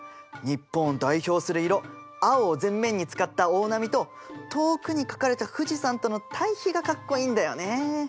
日本を代表する色青を全面に使った大波と遠くに描かれた富士山との対比がかっこいいんだよね。